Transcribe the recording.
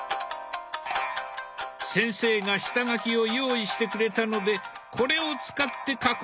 先生が下書きを用意してくれたのでこれを使って描こう。